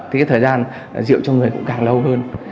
thì cái thời gian rượu trong người cũng càng lâu hơn